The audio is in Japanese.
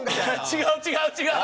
違う違う違う！